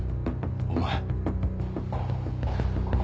お前。